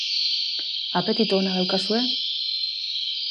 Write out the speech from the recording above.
Apetitu ona daukazue?